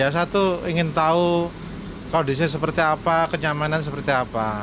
satu ingin tahu kondisi seperti apa kenyamanan seperti apa